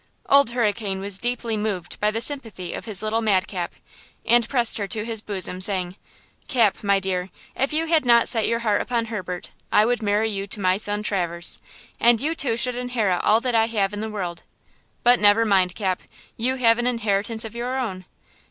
Old Hurricane was deeply moved by the sympathy of his little madcap, and pressed her to his bosom, saying: "Cap, my dear, if you had not set your heart upon Herbert, I would marry you to my son Traverse, and you two should inherit all that I have in the world! But never mind, Cap, you have an inheritance of your own.